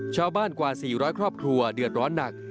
กว่า๔๐๐ครอบครัวเดือดร้อนหนัก